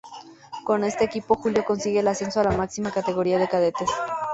Con este equipo Julio consigue el ascenso a la máxima categoría de cadetes.